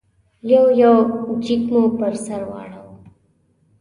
یو یو جېک مو پر سر واړاوه.